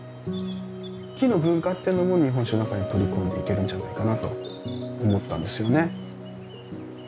木の文化ってのも日本酒の中に取り込んでいけるんじゃないかなと思ったんですよね。